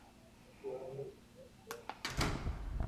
Héra ñepyrũ ou.